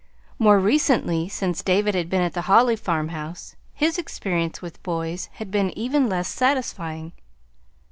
More recently, since David had been at the Holly farmhouse, his experience with boys had been even less satisfying.